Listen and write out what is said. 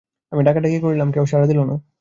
আমি ডাকাডাকি করিলাম, কেহ সাড়া দিল না।